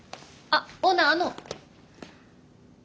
あっオーナーあの。